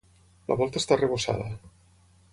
La volta està arrebossada.